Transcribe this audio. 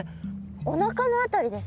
おなかの辺りですか？